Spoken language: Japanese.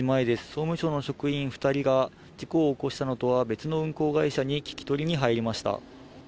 総務省の職員２人が、事故を起こしたのとは別の運航会社に聞き取りに入りました。